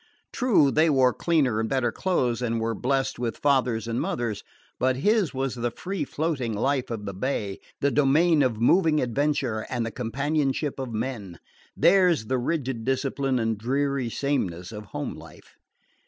True, they wore cleaner and better clothes, and were blessed with fathers and mothers; but his was the free floating life of the bay, the domain of moving adventure, and the companionship of men theirs the rigid discipline and dreary sameness of home life.